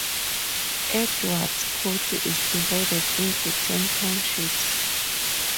Edwards County is divided into ten townships.